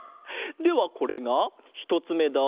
ではこれがひとつめだ。